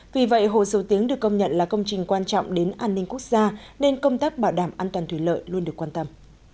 vì vậy hồ dầu tiếng được công nhận là công trình quan trọng đến an ninh quốc gia nên công tác bảo đảm an toàn thủy lợi luôn được quan tâm